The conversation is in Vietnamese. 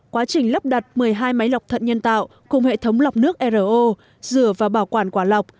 quá trình lắp đặt một mươi hai máy lọc thận nhân tạo cùng hệ thống lọc nước ro rửa và bảo quản quả lọc